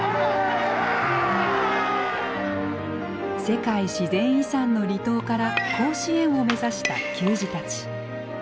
世界自然遺産の離島から甲子園を目指した球児たち。